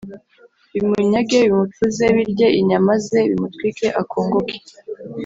bimunyage bimucuze birye inyama ze, bimutwike akongoke.